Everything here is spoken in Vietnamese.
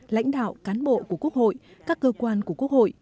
lãnh đạo cán bộ của quốc hội các cơ quan của quốc hội